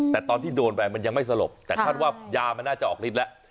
แต่ตอนที่โดนไปมันยังไม่สลบแต่คาดว่ายามันน่าจะออกฤทธิ์แล้ว